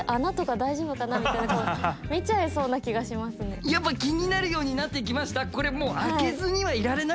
やっぱ気になるようになってきました？